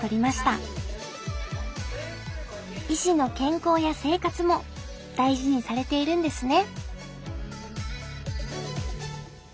医師の健康や生活も大事にされているんですね。